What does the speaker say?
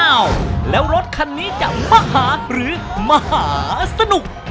อ้าวแล้วรถคันนี้จะมหาหรือมหาสนุก